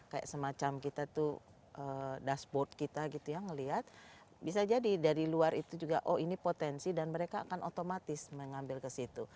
kayak semacam kita tuh dashboard kita gitu ya ngeliat bisa jadi dari luar itu juga oh ini potensi dan mereka akan otomatis mengambil kesitu